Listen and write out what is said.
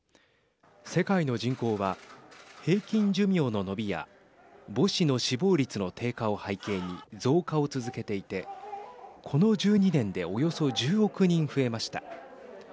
世界の人口は平均寿命の延びや母子の死亡率の低下を背景に増加を続けていてこの１２年でおよそ１０億人増えました。